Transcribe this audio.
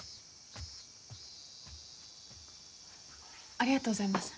ありがとうございます。